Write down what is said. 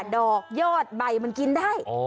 ดอกยอดใบมันกินได้